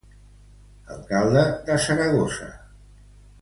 Alcalde de Saragossa.